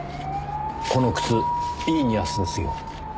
この靴イーニアスですよ。